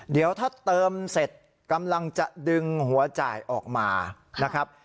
เดี๋ยวถ้าเติมเสร็จกำลังจะดึงหัวจ่ายออกมานะครับ